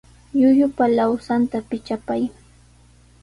Llullupa lawsanta pichapay.